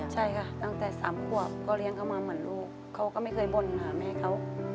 ใช่ค่ะตั้งแต่๓ขวบก็เลี้ยงเขามาเหมือนลูกเขาก็ไม่เคยบ่นหาแม่เขา